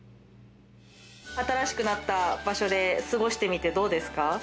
新しくなった場所で過ごしてみてどうですか？